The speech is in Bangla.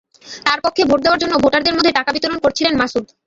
তাঁর পক্ষে ভোট দেওয়ার জন্য ভোটারদের মধ্যে টাকা বিতরণ করছিলেন মাসুদ।